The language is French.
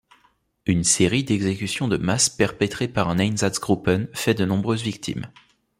Une série d'exécutions de masse perpétrées par un Einsatzgruppen fait de nombreuses victimes.